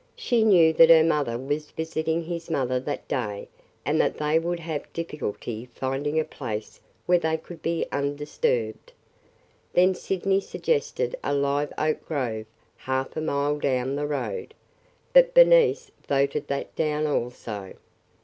She knew that her mother was visiting his mother that day and that they would have difficulty finding a place where they could be undisturbed. Then Sydney suggested a live oak grove half a mile down the road. But Bernice voted that down also.